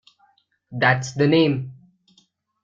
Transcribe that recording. That's the name.